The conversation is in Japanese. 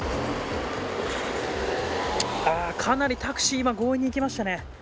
かなりタクシー今強引にいきましたね。